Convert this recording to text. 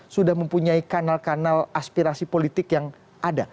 sudah mempunyai kanal kanal aspirasi politik yang ada